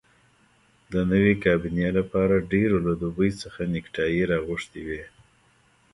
د نوې کابینې لپاره ډېرو له دوبۍ څخه نیکټایي راغوښتي وې.